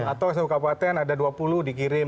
atau satu kabupaten ada dua puluh dikirim